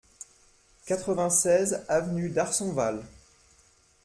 quatre-vingt-seize avenue d'Arsonval